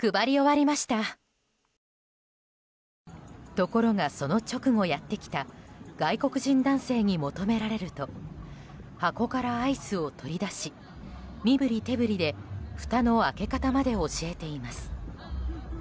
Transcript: ところがその直後やってきた外国人男性に求められると箱からアイスを取り出し身振り手振りでふたの開け方まで教えています。